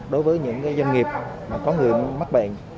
đối với những doanh nghiệp có người mắc bèn